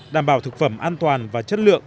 đảm bảo thực phẩm an toàn và chất lượng